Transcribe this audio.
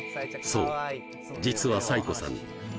そう実は才子さん